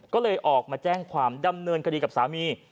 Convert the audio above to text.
ก็เลยออกมาแจ้งความดำเนินคดีกับสามี